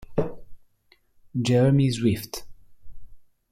Jeremy Swift